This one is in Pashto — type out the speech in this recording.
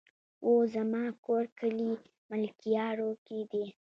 وو زما کور کلي ملكيارو کې دی